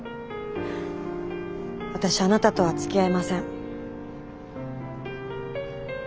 私あなたとはつきあえません。